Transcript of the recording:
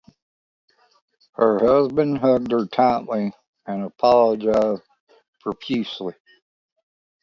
Her husband hugged her tightly, and apologized profusely.